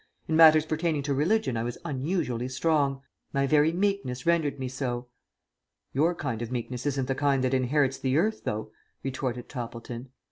In matters pertaining to religion I was unusually strong. My very meekness rendered me so." "Your kind of meekness isn't the kind that inherits the earth, though," retorted Toppleton.